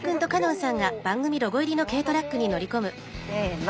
せの！